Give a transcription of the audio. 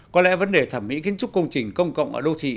có lẽ vấn đề thẩm mỹ kiến trúc công trình công cộng ở đô thị